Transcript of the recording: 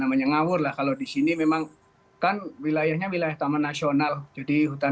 namanya ngawur lah kalau di sini memang kan wilayahnya wilayah taman nasional jadi hutan